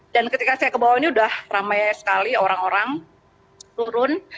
dan ketika saya ke bawah ini sudah ramai sekali orang orang turun